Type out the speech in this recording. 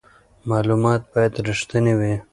معلومات باید رښتیني وي.